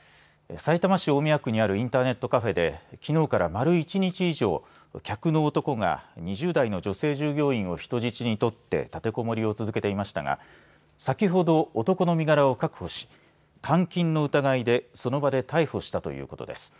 さいたま市大宮区にあるインターネットカフェできのうから丸１日以上客の男が２０代の女性従業員を人質に取って立てこもりを続けていましたが先ほど男の身柄を確保し監禁の疑いでその場で逮捕したということです。